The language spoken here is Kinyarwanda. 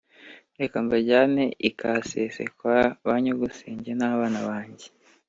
reka mbajyane i Kasese kwa ba nyogosenge n’abana banjye